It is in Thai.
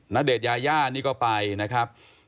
ณเดชนยาย่านี่ก็ไปนะครับ